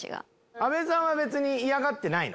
あべさんは別に嫌がってないの？